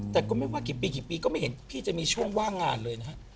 แต่ก็ไม่ว่ากี่ปีกี่ปีก็ไม่เห็นพี่จะมีช่วงว่างงานเลยนะฮะ